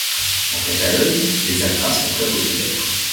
En Catalogne, les acras sont très populaires.